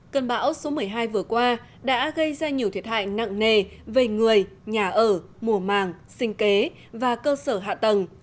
cơn bão số một mươi hai vừa qua đã gây ra nhiều thiệt hại nặng nề về người nhà ở mùa màng sinh kế và cơ sở hạ tầng